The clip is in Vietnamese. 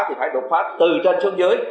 thì phải đột phá từ trên xuống dưới